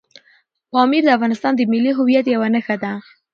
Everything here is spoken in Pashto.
پامیر د افغانستان د ملي هویت یوه نښه ده.